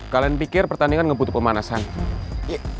kalian pikir pertandingan pero hai